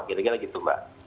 kira kira gitu mbak